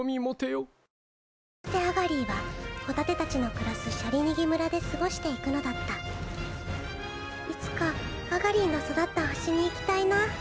こうしてアガリィはホタテたちの暮らすシャリニギ村で過ごしていくのだったいつかアガリィの育った星に行きたいな。